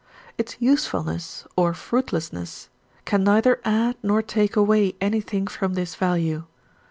Its usefulness or fruitlessness can neither add nor take away anything from this value.